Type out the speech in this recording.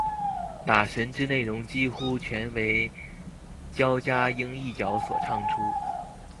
打神之内容几乎全为焦桂英一角所唱出。